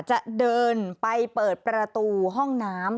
จะเดินไปเปิดประตูห้องน้ำ